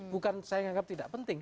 bukan saya menganggap tidak penting